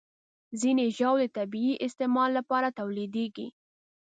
ځینې ژاولې د طبي استعمال لپاره تولیدېږي.